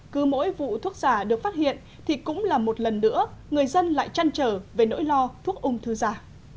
cứ mỗi vụ thuốc giả được phát hiện thì cũng là một lần nữa người dân lại chăn trở về nỗi lo thuốc ung thư giả